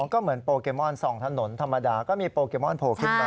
ก็เหมือนโปเกมอนส่องถนนธรรมดาก็มีโปเกมอนโผล่ขึ้นมา